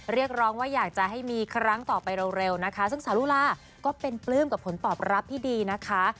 เรียกร้องว่าอยากจะให้มีครั้งต่อไปเร็วนะคะซึ่งสาลูลาก็เป็นปลื้มกับผลตอบรับที่ดีนะคะ